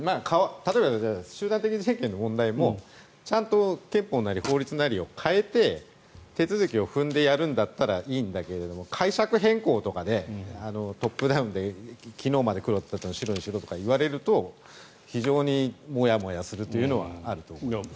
例えば集団的自衛権の問題もちゃんと憲法なり法律なりを変えて手続きを踏んでやるんだったらいいんだけれども解釈変更とかでトップダウンで昨日まで黒だったのを白にしろとか言われると非常にモヤモヤするというのはあると思います。